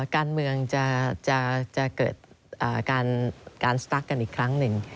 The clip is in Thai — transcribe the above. การเมืองจะเกิดการสตั๊กกันอีกครั้งหนึ่ง